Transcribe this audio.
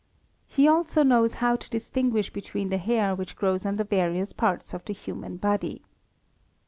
He also knows how to distinguish between the _ hair which grows on the various parts of the human body.